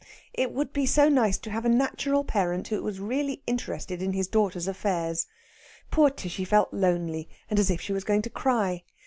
It would be so nice to have a natural parent that was really interested in his daughter's affairs. Poor Tishy felt lonely, and as if she was going to cry.